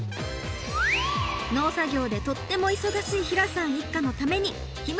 農作業でとっても忙しい平さん一家のためにひむ